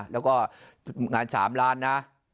แล้วก็อย่างนั้น๓ล้านนะ